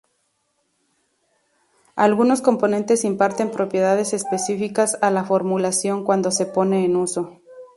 Algunos componentes imparten propiedades específicas a la formulación cuando se pone en uso.